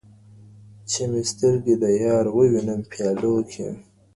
چي مي سترګي د یار و وینم پیالو کي